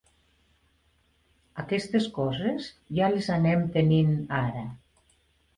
Aquestes coses ja les anem tenint ara.